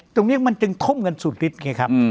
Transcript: ตรงนี้มันจึงทุ่มเงินสุดลิดไงครับ